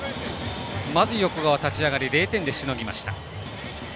まず横川、立ち上がり０点でしのぎました。